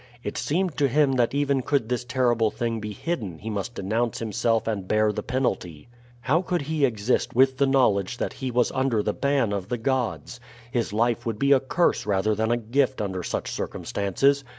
It seemed to him that even could this terrible thing be hidden he must denounce himself and bear the penalty. How could he exist with the knowledge that he was under the ban of the gods? His life would be a curse rather than a gift under such circumstances.